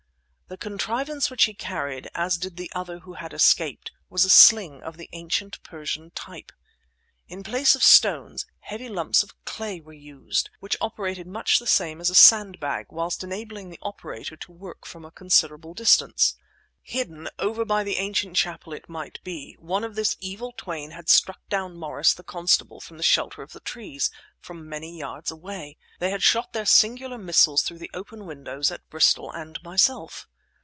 The contrivance which he carried, as did the other who had escaped, was a sling, of the ancient Persian type. In place of stones, heavy lumps of clay were used, which operated much the same as a sand bag, whilst enabling the operator to work from a considerable distance. Hidden, over by the ancient chapel it might be, one of this evil twain had struck down Morris, the constable; from the shelter of the trees, from many yards away, they had shot their singular missiles through the open windows at Bristol and myself.